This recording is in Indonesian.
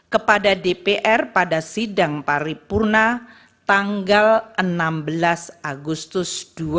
kepada dpr pada sidang paripurna tanggal enam belas agustus